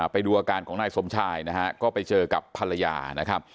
ไปดูอาการของนายสมชายนะฮะก็ไปเจอกับภรรยานะครับ